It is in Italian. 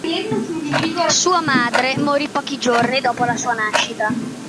Sua madre morì pochi giorni dopo la sua nascita.